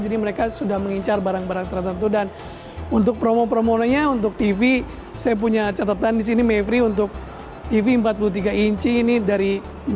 jadi mereka sudah mengincar barang barang tertentu dan untuk promo promonya untuk tv saya punya catatan di sini mevri untuk tv empat puluh tiga inci ini dari empat lima